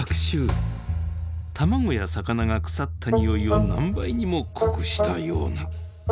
卵や魚が腐ったにおいを何倍にも濃くしたような。